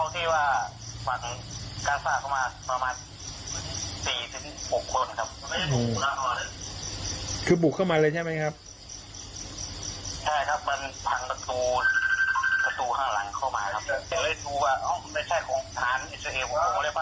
อย่าเลือกแล้ว